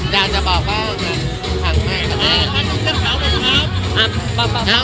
อยากจะบอกว่าพังมากกันแน่